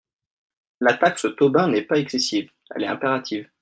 La taxe Tobin n’est pas excessive, elle est impérative.